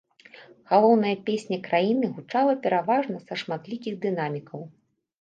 Галоўная песня краіны гучала пераважна са шматлікіх дынамікаў.